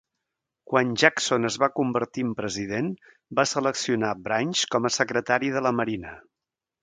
Quan Jackson es va convertir en president, va seleccionar Branch com a secretari de la Marina.